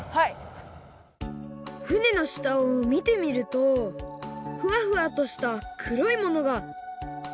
船のしたをみてみるとふわふわとしたくろいものが。